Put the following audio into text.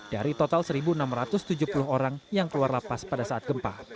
dari total satu enam ratus tujuh puluh orang yang keluar lapas pada saat gempa